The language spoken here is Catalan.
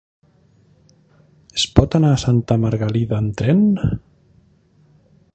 Es pot anar a Santa Margalida amb tren?